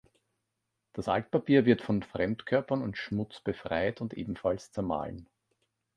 Das Altpapier wird von Fremdkörpern und Schmutz befreit und ebenfalls zermahlen.